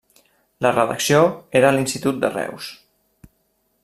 La redacció era a l'Institut de Reus.